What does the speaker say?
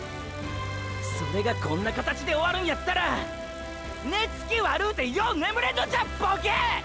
それがこんな形で終わるんやったら寝つき悪うてよう眠れんのじゃボケ！！